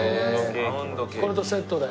これとセットで。